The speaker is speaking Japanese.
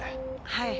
はい。